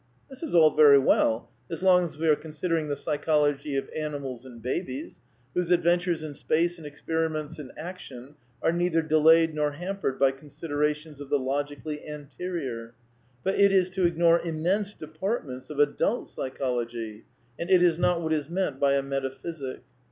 (Page 258.) This is all very well as long as we are considering the psychology of animals and babies, whose adventures in space and experiments in action are neither delayed nor hampered by considerations of the logically anterior; but it is to ignore immense departments of adult psychology, and it is not what is meant by a metaphysic.